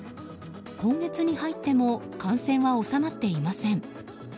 今月に入っても感染は収まっていません。